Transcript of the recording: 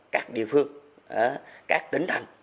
các địa phương các tỉnh thành